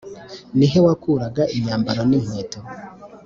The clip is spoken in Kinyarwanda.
Ni he wakuraga imyambaro n inkweto